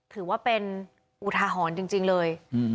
ถือว่าเป็นอุทาหรณ์จริงเลย